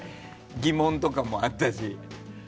疑問とかもあったし。